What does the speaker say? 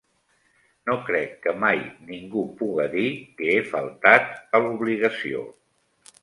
No crec que mai ningú puga dir que he faltat a l'obligació.